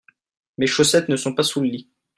mes chaussettes ne sont pas sous le lit.